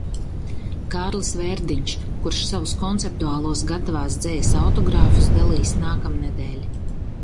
Kārlis Vērdiņš, kurš savus konceptuālos "Gatavās dzejas" autogrāfus dalīs nākamnedēļ.